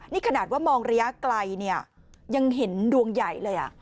นี่ขนาดว่ามองระยะไกลเนี่ยยังเห็นดวงใหญ่เลย